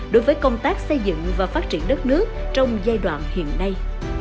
đối với công tác xây dựng và phát triển đất nước trong giai đoạn hiện nay